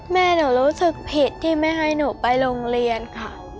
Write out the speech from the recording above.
แม่หนูรู้สึกผิดที่ไม่ให้หนูไปโรงเรียนค่ะ